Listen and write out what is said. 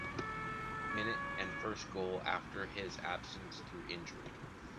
minute and his first goal after his absence through injury.